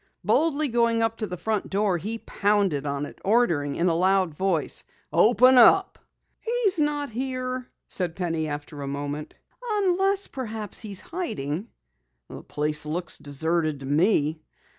Boldly going to the front door he pounded on it, ordering in a loud voice: "Open up!" "He's not here," said Penny after a moment. "Unless perhaps he's hiding." "The place looks deserted to me."